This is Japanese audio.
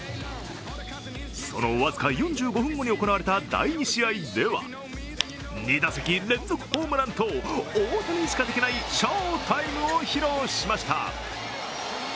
その僅か４５分後に行われた第２試合では２打席連続ホームランと大谷しかできない翔タイムを披露しました。